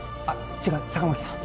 違う坂巻さん。